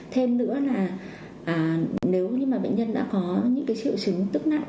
thêm nữa là nếu như mà bệnh nhân đã có những triệu chứng tức nặng